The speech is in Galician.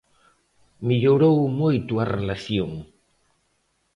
Mellorou moito a relación.